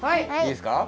いいですか？